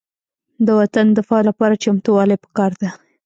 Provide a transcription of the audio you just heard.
د وطن دفاع لپاره چمتووالی پکار دی.